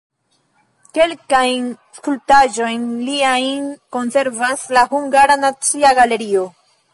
Kelkajn skulptaĵojn liajn konservas la Hungara Nacia Galerio.